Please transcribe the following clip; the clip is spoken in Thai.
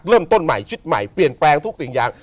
เริ่มต้นใหม่ชุดใหม่เปลี่ยนแปลงทุกสิ่งอย่าง